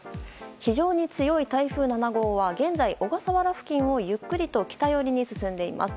非常に強い台風７号は現在、小笠原付近をゆっくりと北寄りに進んでいます。